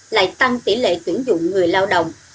lại tăng tỷ lệ tuyển dụng người lao động